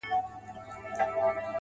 سترگي دي ژوند نه اخلي مرگ اخلي اوس,